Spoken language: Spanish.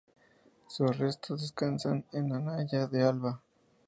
Sus restos descansan en Anaya de Alba.